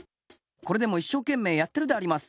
これでもいっしょうけんめいやってるであります。